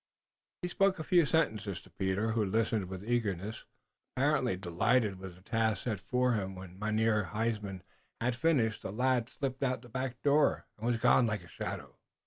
He spoke a few sentences to Peter, who listened with eagerness, apparently delighted with the task set for him. When Mynheer Huysman had finished the lad slipped out at a back door, and was gone like a shadow.